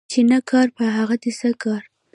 چي نه کار په هغه دي څه کار